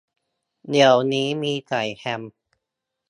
เดี๋ยวนี้มีใส่แฮม